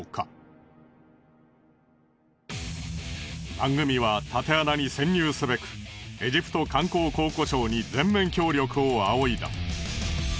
番組はたて穴に潜入すべくエジプト観光・考古省に全面協力を仰いだ。